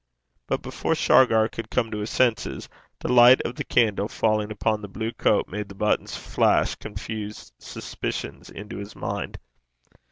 But before Shargar could come to his senses, the light of the candle falling upon the blue coat made the buttons flash confused suspicions into his mind.